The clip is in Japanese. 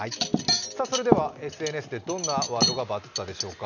それではＳＮＳでどんなワードがバズったでしょうか。